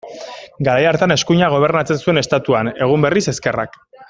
Garai hartan eskuinak gobernatzen zuen Estatuan, egun berriz, ezkerrak.